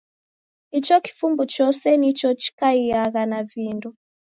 Icho kifumbu chose nicho chikaiagha na vindo.